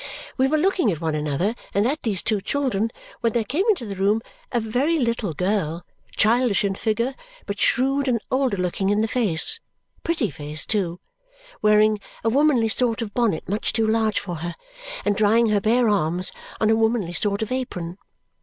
We were looking at one another and at these two children when there came into the room a very little girl, childish in figure but shrewd and older looking in the face pretty faced too wearing a womanly sort of bonnet much too large for her and drying her bare arms on a womanly sort of apron.